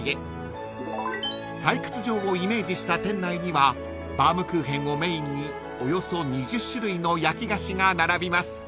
［採掘場をイメージした店内にはバームクーヘンをメインにおよそ２０種類の焼き菓子が並びます］